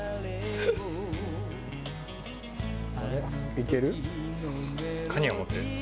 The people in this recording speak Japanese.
「いける？」